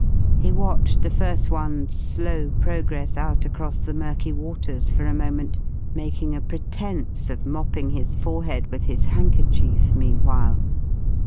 He watched the first one's slow progress out across the murky waters for a moment, making a pretence of mopping his forehead with his handkerchief meanwhile.